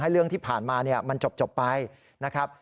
เรื่องที่ผ่านมามันจบไปนะครับ